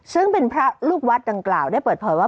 ซึ่งเป็นพระลูกวัดดังกล่าวได้เปิดเผยว่า